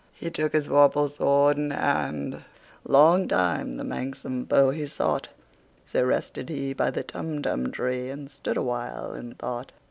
He took his vorpal sword in hand:Long time the manxome foe he sought—So rested he by the Tumtum tree, And stood awhile in thought.